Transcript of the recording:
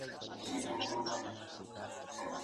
د سولي راوستل د هر هیواد په ګټه دي.